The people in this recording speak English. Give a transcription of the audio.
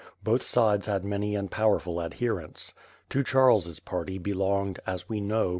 Both sides had many and powerful adherents. To Charles's party belonged, as we know.